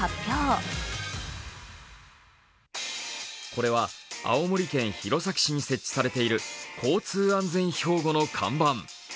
これは青森県弘前市に設置されている交通安全標語の看板。